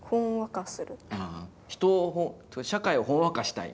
人を社会をほんわかしたい？